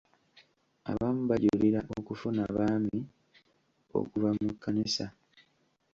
Abamu bajulira okufuna baami okuva mu kkanisa.